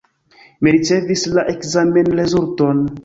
Mi ricevis la ekzamenrezulton.